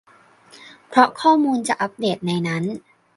เพราะข้อมูลจะอัพเดทในนั้น